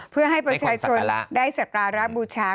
เพื่อให้ประชาชนได้สการะบูชา